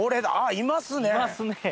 いますね。